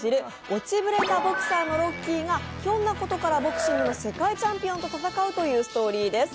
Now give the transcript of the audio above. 落ちぶれたボクサーのロッキーがひょんなことからボクシングの世界チャンピオンと戦うというストーリーです。